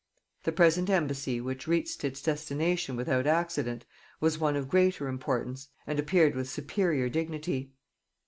The present embassy, which reached its destination without accident, was one of greater importance, and appeared with superior dignity.